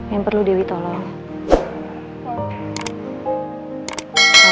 yang perlu dewi tolong